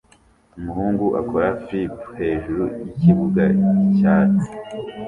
Umuhungu akora flip hejuru yikibuga cyatsi